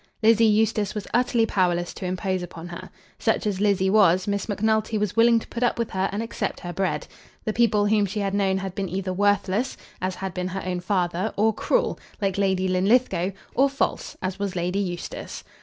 Lizzie Eustace was utterly powerless to impose upon her. Such as Lizzie was, Miss Macnulty was willing to put up with her and accept her bread. The people whom she had known had been either worthless, as had been her own father, or cruel, like Lady Linlithgow, or false, as was Lady Eustace.